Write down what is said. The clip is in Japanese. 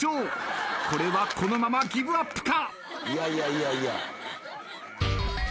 これはこのままギブアップか？